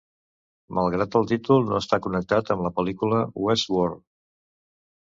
Malgrat el títol, no està connectat amb la pel·lícula "Westworld".